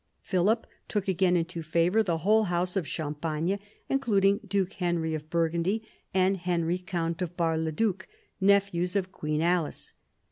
Philip took again into favour the whole house of Champagne, including Duke Henry of Burgundy and Henry, count of Bar le Duc, nephews of Queen Alice.